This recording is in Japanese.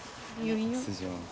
失礼します。